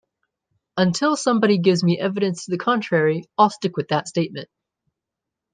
Until somebody gives me evidence to the contrary, I'll stick with that statement.